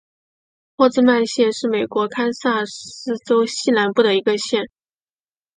霍治曼县是美国堪萨斯州西南部的一个县。